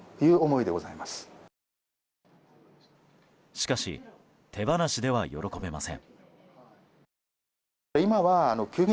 しかし手放しでは喜べません。